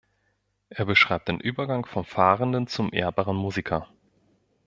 Er beschreibt den Übergang von fahrenden zum „ehrbaren“ Musiker.